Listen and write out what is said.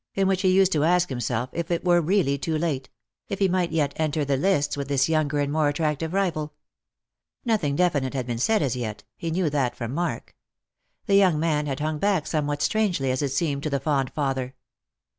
— in which lie used to ask himself if it were really too late ; if he might not yet enter the lists with this younger and more attractive rival. Nothing definite had been said as yet; he knew that from Mark. The young man had hung back some what strangely, as it seemed to the fond father.